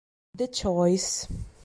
The Choice